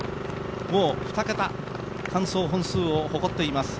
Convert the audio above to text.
２桁完走本数を走っています。